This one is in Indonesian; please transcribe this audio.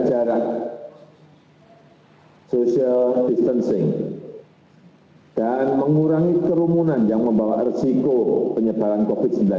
jaga jarak social distancing dan mengurangi kerumunan yang membawa resiko penyebaran covid sembilan belas